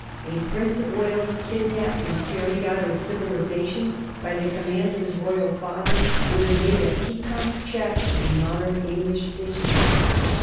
A Prince of Wales kidnapped and carried out of civilization by the command of his royal father would have made a piquant chapter in modern English history.